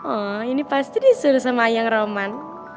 aw ini pasti disuruh sama ayang roman